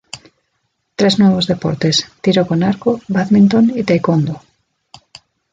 Tres nuevos deportes, tiro con arco, bádminton y taekwondo.